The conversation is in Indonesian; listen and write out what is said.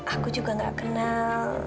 aku juga gak kenal